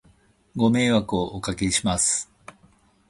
ご迷惑をお掛けします